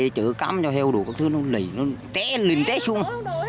xe chở cắm cho heo đổ các thứ nó lấy nó té lên té xuống